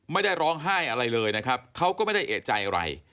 ไม่ได้ร้องไห้อะไรเลยนะครับเขาก็ไม่ได้เอกใจอะไร